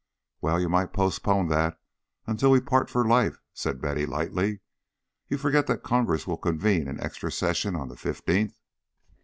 "Well! You might postpone that until we part for life," said Betty, lightly. "You forget that Congress will convene in Extra Session on the fifteenth."